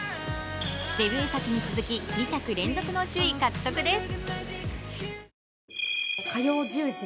デビュー作に続き２作連続の首位獲得です。